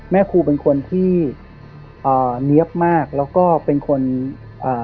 แม่ครูเป็นคนที่อ่าเนี๊ยบมากแล้วก็เป็นคนอ่า